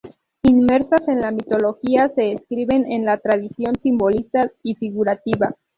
Inmersas en la mitología, se inscriben en la tradición simbolista y figurativa.